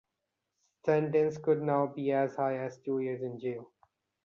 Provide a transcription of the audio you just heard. Sentence could now be as high as two years in jail.